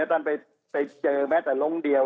ท่านไปเจอแม้แต่ลงเดียว